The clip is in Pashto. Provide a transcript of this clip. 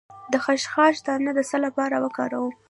د خشخاش دانه د څه لپاره وکاروم؟